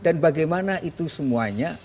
dan bagaimana itu semuanya